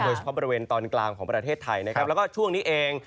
บริเวณตอนกลางของประเทศไทยนะครับแล้วก็ช่วงนี้เอง